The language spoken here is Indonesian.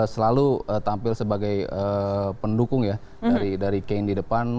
selalu tampil sebagai pendukung ya dari kane di depan